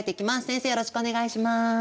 よろしくお願いします。